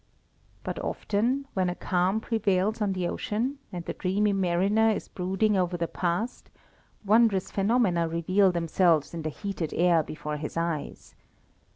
But often, when a calm prevails on the ocean, and the dreamy mariner is brooding over the past, wondrous phenomena reveal themselves in the heated air before his eyes.